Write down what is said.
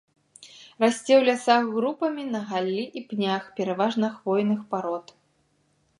Расце ў лясах групамі на галлі і пнях пераважна хвойных парод.